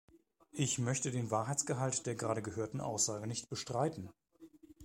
Ich möchte den Wahrheitsgehalt der gerade gehörten Aussage nicht bestreiten.